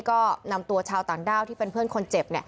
ก็นำตัวชาวต่างด้าวที่เป็นเพื่อนคนเจ็บ